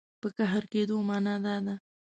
په قهر کېدو معنا دا ده.